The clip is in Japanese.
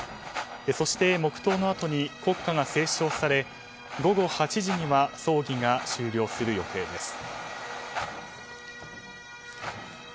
そして、黙祷のあとに国歌が斉唱され午後８時には葬儀が終了する予定です。